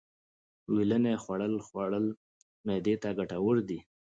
ویلنی خوړل خوړل معدې ته گټور دي.